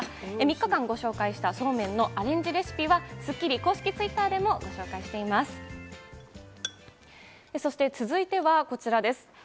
３日間、ご紹介したそうめんのアレンジレシピは『スッキリ』公式Ｔｗｉｔｔｅｒでもご紹介していそして、続いてはこちらです。